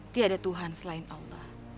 tiada tuhan selain allah